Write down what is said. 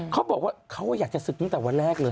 เขาบอกว่าเขาอยากจะศึกตั้งแต่วันแรกเลย